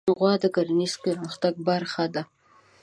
غوا د کرهڼیز پرمختګ برخه ده.